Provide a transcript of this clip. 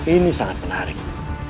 ini sangat menarik